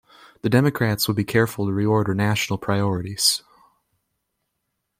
The Democrats would be careful to reorder national priorities.